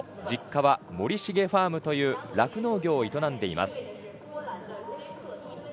実家は森重ファームという酪農業を営んでいます。